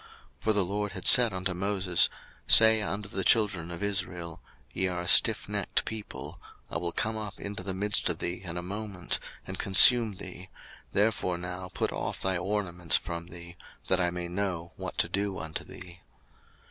02:033:005 For the LORD had said unto Moses, Say unto the children of Israel, Ye are a stiffnecked people: I will come up into the midst of thee in a moment, and consume thee: therefore now put off thy ornaments from thee, that I may know what to do unto thee.